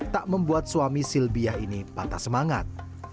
tak membuat suami silbiah ini patah semangat